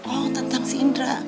oh tentang si indra